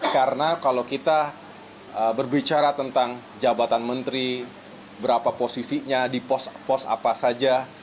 karena kalau kita berbicara tentang jabatan menteri berapa posisinya di pos apa saja